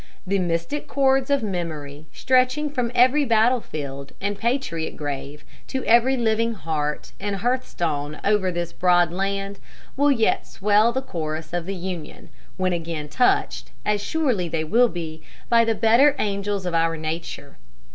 The mystic chords of memory, stretching from every battle field and patriot grave to every living heart and hearthstone all over this broad land, will yet swell the chorus of the Union, when again touched, as surely they will be, by the better angels of our nature."